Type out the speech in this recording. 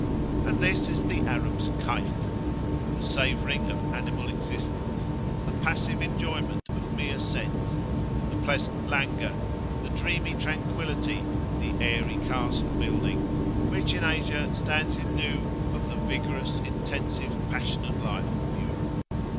And this is the Arab's Kayf. The savouring of animal existence; the passive enjoyment of mere sense; the pleasant languor, the dreamy tranquillity, the airy castle building, which in Asia stand in lieu of the vigorous, intensive, passionate life of Europe.